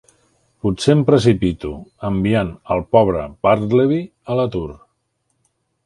Potser em precipito, enviant el pobre Bartleby a l'atur.